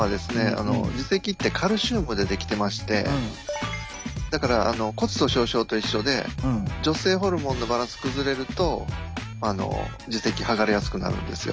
あの耳石ってカルシウムで出来てましてだから骨粗しょう症と一緒で女性ホルモンのバランス崩れると耳石剥がれやすくなるんですよ。